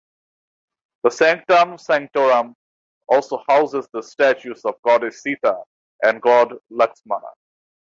The sanctum sanctorum also houses the statues of goddess Sita and god Lakshmana.